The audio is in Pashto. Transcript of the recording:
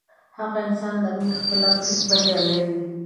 هغه انسان نرمي خپله کړي بریالی وي.